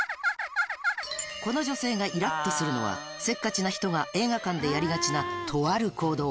この女性がイラっとするのはせっかちな人が映画館でやりがちなとある行動